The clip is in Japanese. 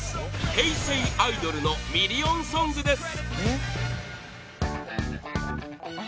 平成アイドルのミリオンソングです